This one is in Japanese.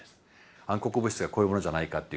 暗黒物質がこういうものじゃないかっていう